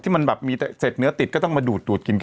ที่มันแบบมีแต่เศษเนื้อติดก็ต้องมาดูดกินกัน